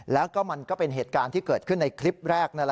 แล้วก็มันก็เป็นเหตุการณ์ที่เกิดขึ้นในคลิปแรกนั่นแหละ